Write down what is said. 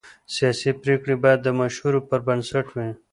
سیاسي پرېکړې باید د مشورو پر بنسټ وي